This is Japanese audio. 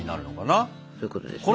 そういうことですね。